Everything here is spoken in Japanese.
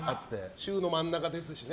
週の真ん中ですしね。